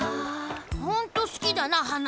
・ほんとすきだなはな。